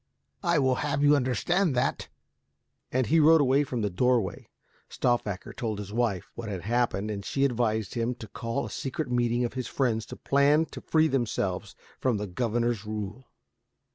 I will have you understand that." And he rode from the doorway. Stauffacher told his wife what had happened and she advised him to call a secret meeting of his friends to plan to free themselves from the governor's rule.